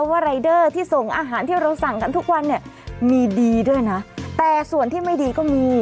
รายเดอร์ที่ส่งอาหารที่เราสั่งกันทุกวันเนี่ยมีดีด้วยนะแต่ส่วนที่ไม่ดีก็มี